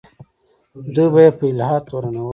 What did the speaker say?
دوی به یې په الحاد تورنول.